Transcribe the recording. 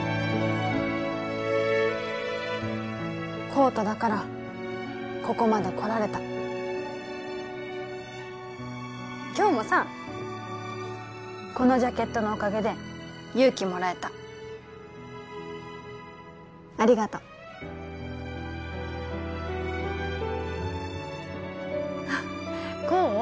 功とだからここまで来られた今日もさこのジャケットのおかげで勇気もらえたありがと功？